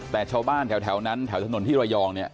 แต่ชาวบ้านแถวนั้นแถวถนนที่ระยองเนี่ย